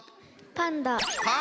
パンダ！